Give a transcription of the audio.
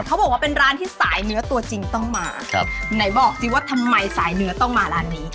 เขาบอกว่าเป็นร้านที่สายเนื้อตัวจริงต้องมาครับไหนบอกสิว่าทำไมสายเนื้อต้องมาร้านนี้